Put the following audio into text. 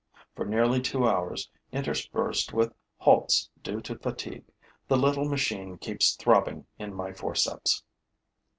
For nearly two hours, interspersed with halts due to fatigue, the little machine keeps throbbing in my forceps.